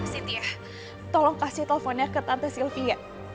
sintia tolong kasih teleponnya ke tante sylvia